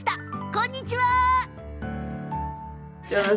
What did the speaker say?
こんにちは！